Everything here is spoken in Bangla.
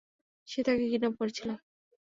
সে তাকে কিডন্যাপ করেছিল।